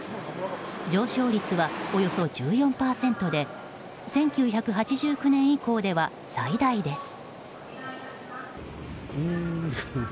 上昇率はおよそ１４％で１９８９年以降では最大です。